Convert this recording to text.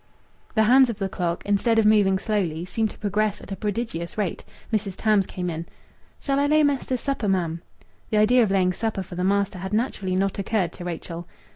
The hands of the clock, instead of moving slowly, seemed to progress at a prodigious rate. Mrs. Tams came in "Shall I lay mester's supper, ma'am?" The idea of laying supper for the master had naturally not occurred to Rachel.